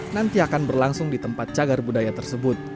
nanti akan berlangsung di tempat cagar budaya tersebut